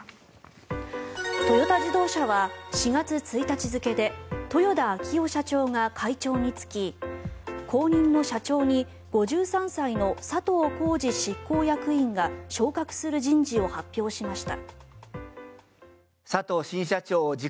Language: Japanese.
トヨタ自動車は４月１日付で豊田章男社長が会長に就き後任の社長に５３歳の佐藤恒治執行役員が昇格する人事を発表しました。